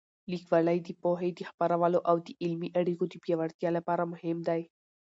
لیکوالی د پوهې د خپرولو او د علمي اړیکو د پیاوړتیا لپاره مهم دی.